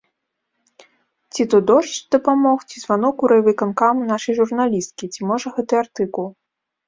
Ці то дождж дапамог, ці званок у райвыканкам нашай журналісткі, ці можа гэты артыкул.